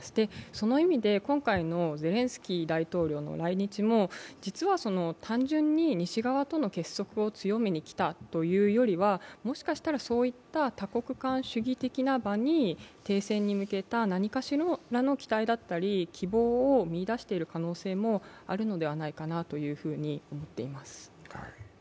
その意味で、今回のゼレンスキー大統領の来日も実は単純に西側との結束を強めにきたというよりはもしかしたら、そういった多国間主義的な場に停戦に向けた何かしらの期待だったり希望を見いだしている可能性もあるのではないかなと思っています。